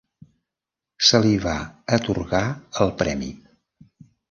Se li va atorgar el premi.